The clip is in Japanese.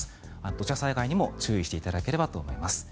土砂災害にも注意していただければと思います。